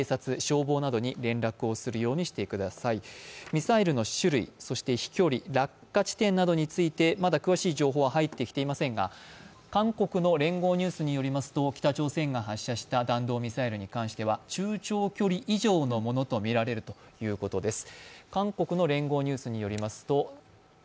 ミサイルの種類、飛距離、落下地点などについてまだ詳しい情報は入ってきていませんが韓国の聯合ニュースによりますと、北朝鮮が発射した弾道ミサイルに関しては、中長距離以上のものとみられるということです。